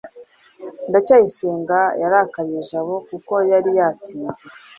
ndacyayisenga yarakariye jabo kuko yari yatinze